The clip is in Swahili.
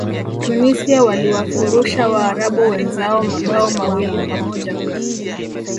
tunisia waliwafurusha waarabu wenzao mabao mawili kwa moja